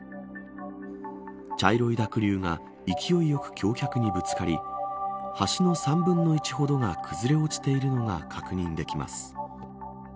茶色い濁流が勢いよく橋脚にぶつかり橋の３分の１ほどが崩れ落ちているのが確認できます。